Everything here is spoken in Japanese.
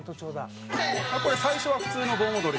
「これ最初は普通の盆踊り」